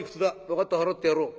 分かった払ってやろう。